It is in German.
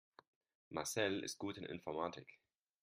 Marcel ist gut in Informatik.